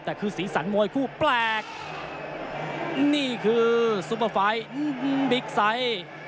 แต่คือสีสันโมยคู่แปลกนี่คือซุปเปอร์ไฟล์อื้อหือบิกใส่